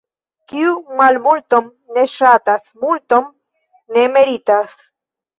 Kiu malmulton ne ŝatas, multon ne meritas.